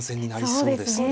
そうですね。